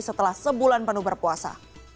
setelah sebulan penuh berpuasa